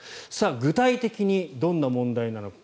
具体的にどんな問題なのか。